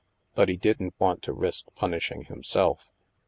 But he didn't want to risk punishing himself.